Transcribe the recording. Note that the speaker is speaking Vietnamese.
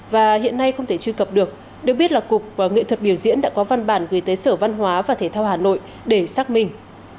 và hiện nay không thể truy cập được được biết là cục nghệ thuật biểu diễn đã có văn bản gửi tới sở văn hóa và thể thao hà nội để xác minh